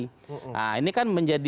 nah ini kan menjadi